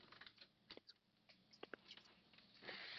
It has been named as one of the best beaches in New Zealand.